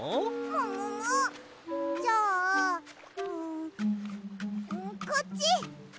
ももも！？じゃあんこっち！